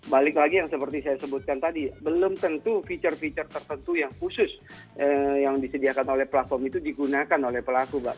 balik lagi yang seperti saya sebutkan tadi belum tentu fitur fitur tertentu yang khusus yang disediakan oleh platform itu digunakan oleh pelaku mbak